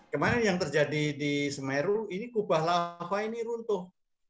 kemarin yang terjadi di semeru ini kubah lava ini runtuh